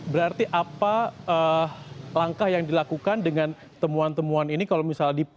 berarti apa langkah yang dilakukan dengan temuan temuan ini kalau misalnya